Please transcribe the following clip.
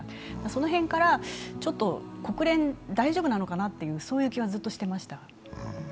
その辺からちょっと国連、大丈夫なのかなという気はずっとしてました。